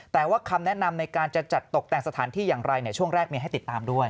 แต่ว่าคำแนะนำในการจะจัดตกแต่งสถานที่อย่างไรช่วงแรกมีให้ติดตามด้วย